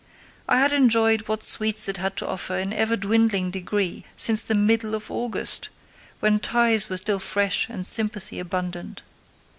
I had enjoyed what sweets it had to offer in ever dwindling degree since the middle of August, when ties were still fresh and sympathy abundant.